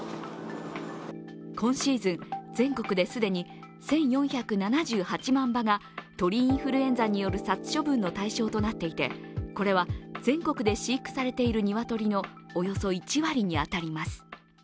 今シーズン、全国で既に１４７８万羽が鳥インフルエンザによる殺処分の対象となっていてこれは、全国で飼育されている鶏のおよそ１割に当たります。